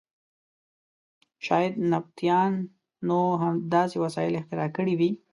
شاید نبطیانو داسې وسایل اختراع کړي وي.